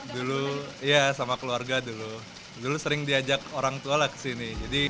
dulu iya sama keluarga dulu dulu sering diajak orang tua lah ke sini